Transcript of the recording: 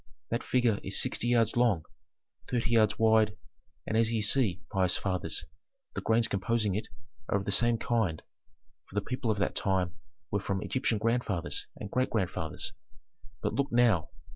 "That figure is sixty yards long, thirty yards wide, and as ye see, pious fathers, the grains composing it are of the same kind, for the people of that time were from Egyptian grandfathers and great grandfathers. But look now."